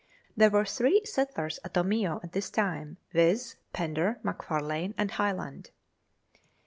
There were three settlers at Omeo at this time, viz., Fender, McFarlane, and Hyland.